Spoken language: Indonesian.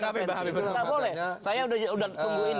tidak boleh saya sudah tunggu ini